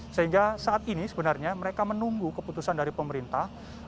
sehingga saat ini sebenarnya mereka menunggu keputusan dari pemerintah